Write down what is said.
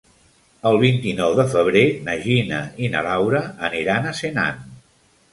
El vint-i-nou de febrer na Gina i na Laura aniran a Senan.